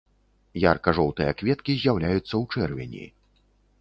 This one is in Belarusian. Ярка-жоўтыя кветкі з'яўляюцца ў чэрвені.